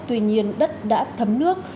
tuy nhiên đất đã thấm nước